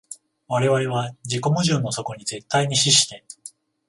我々は自己矛盾の底に絶対に死して、